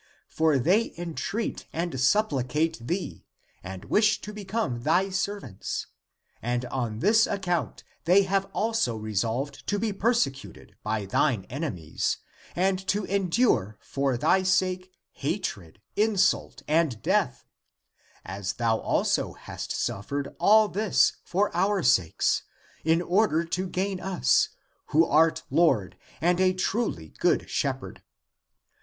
For they entreat and supplicate thee, and wish to become thy servants, and on this account they have also resolved to be persecuted by thine enemies, and to endure for thy sake hatred, insult, and death, as thou also hast suffered all this for our sakes, in order to gain us, who art Lord and a truly good shepherd.